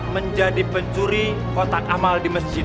menjadi pencuri kotak amal di masjid